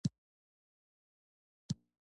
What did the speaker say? د قاضیانو د واکونو په اړه یې پر څرګندونو نیوکه وکړه.